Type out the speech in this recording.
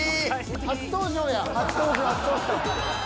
初登場や。